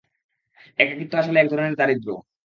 একাকীত্ব আসলে এক ধরনের দারিদ্র্য।